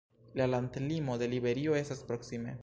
La landlimo de Liberio estas proksime.